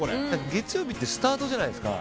月曜日ってスタートじゃないですか。